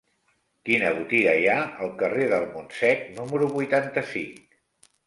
Quina botiga hi ha al carrer del Montsec número vuitanta-cinc?